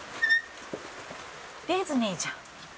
ディズニーじゃん。